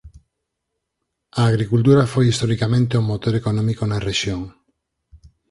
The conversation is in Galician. A agricultura foi historicamente o motor económico na rexión.